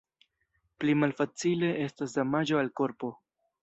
Pli malfacile estas damaĝo al korpo.